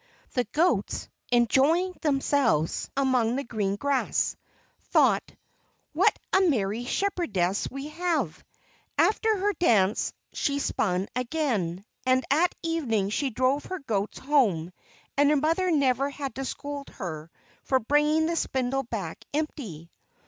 The goats, enjoying themselves among the green grass, thought: "What a merry shepherdess we have!" After her dance, she spun again. And at evening she drove her goats home, and her mother never had to scold her for bringing the spindle back empty.